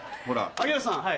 有吉さん。